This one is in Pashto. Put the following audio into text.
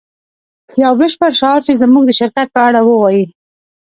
یو بشپړ شعار چې زموږ د شرکت په اړه ووایی